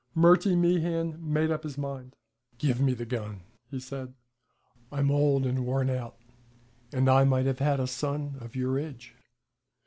Murty Meehan made up his mind. 'Give me the gun,' he said. 'I'm old and worn out, and I might have had a son of your age.'